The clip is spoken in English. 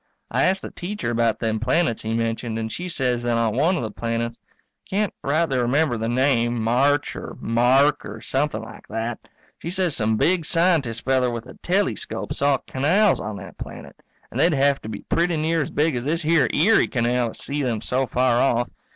I asked the Teacher about them planets he mentioned and she says that on one of the planets can't rightly remember the name, March or Mark or something like that she says some big scientist feller with a telescope saw canals on that planet, and they'd hev to be pretty near as big as this here Erie canal to see them so far off.